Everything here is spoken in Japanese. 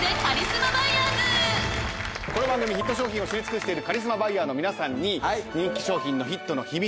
この番組ヒット商品を知り尽くしているカリスマバイヤーの皆さんに人気商品のヒットの秘密。